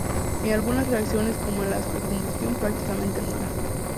Y en algunas reacciones como en las de combustión prácticamente nula.